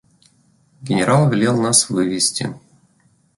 Генерал велел нас вывести.